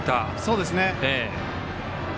そうですね。